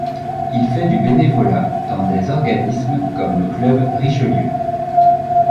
Il fait du bénévolat dans des organismes comme le Club Richelieu.